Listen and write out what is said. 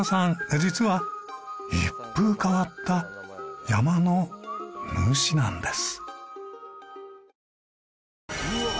実は一風変わった山の主なんです。